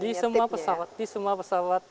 di semua pesawat di semua pesawat